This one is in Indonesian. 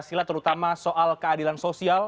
sila terutama soal keadilan sosial